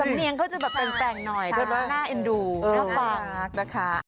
สำเนียงเขาจะแปลงหน่อยเพราะว่าน่าเอ็นดูน่าฟัง